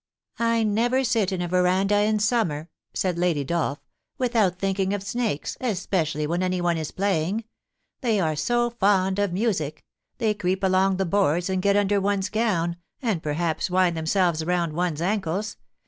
* I never sit in a veranda in summer,' said Lady Dolph, ' without thinking of snakes, especially when anyone is play ing. They are so fond of music They creep along the 1 88 POLICY AND PASSION. boards, and get under one^s gown, and perhaps wind them selves round one^s ankles.